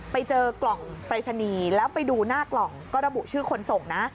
ไปเจอกล่องปรายศนีย์แล้วไปดูหน้ากล่องก็ระบุชื่อคนส่งนะ